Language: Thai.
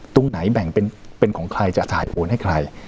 ตรงไหนแบ่งเป็นของใครจะถ่ายโอนให้ใคร